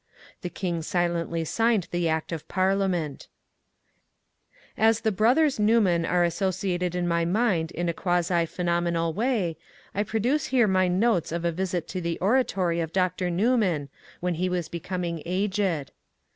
The king silently signed the act of Parliament As the brothers Newman are associated in my mind in a quasi phenomenal way, I produce here my notes of a visit to the oratory of Dr. Newman, when he was becoming aged.